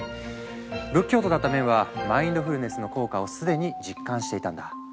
仏教徒だったメンはマインドフルネスの効果を既に実感していたんだ。